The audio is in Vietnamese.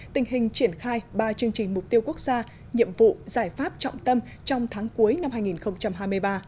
tình hình triển khai ba chương trình mục tiêu quốc gia nhiệm vụ giải pháp trọng tâm trong tháng cuối năm hai nghìn hai mươi ba